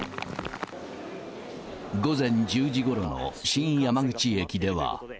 午前１０時ごろの新山口駅では。